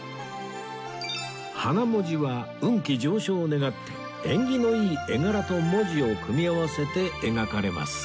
花文字は運気上昇を願って縁起のいい絵柄と文字を組み合わせて描かれます